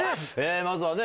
まずはね。